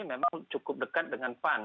memang cukup dekat dengan pan